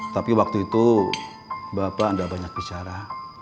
tapi waktu itu bapak anda banyak bicara